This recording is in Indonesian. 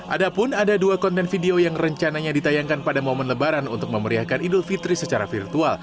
adapun ada dua konten video yang rencananya ditayangkan pada momen lebaran untuk pemerintah jakarta